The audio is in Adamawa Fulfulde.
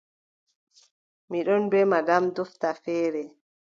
Mi ɗon bee madame dofta feere.